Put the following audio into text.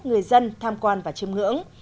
người dân tham quan và châm ngưỡng